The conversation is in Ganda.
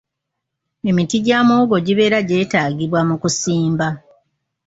Emiti gya muwogo gibeera gyetaagibwa mu kusimba.